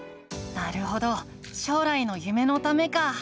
なるほど将来の夢のためか。